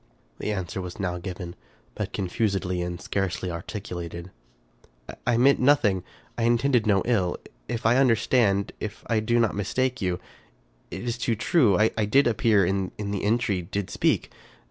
The answer was now given, but confusedly and scarcely articulated. " I meant nothing — I intended no ill — if I understand — if I do not mistake you — it is too true — I did appear — in the entry — did speak.